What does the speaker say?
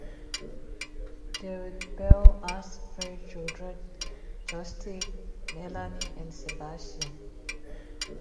Derek Bell has three children, Justin, Melanie and Sebastian.